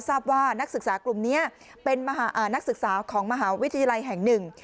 ทราบว่านักศึกษากลุ่มนี้เป็นนักศึกษาของมหาวิทยาลัยแห่งหนึ่ง